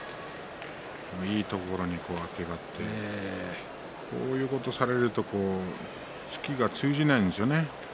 いいところにあてがってこういうことをされると突きが通じないんですよね。